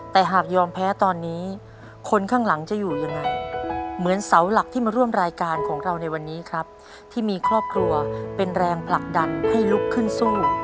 แต่หากยอมแพ้ตอนนี้คนข้างหลังจะอยู่ยังไงเหมือนเสาหลักที่มาร่วมรายการของเราในวันนี้ครับที่มีครอบครัวเป็นแรงผลักดันให้ลุกขึ้นสู้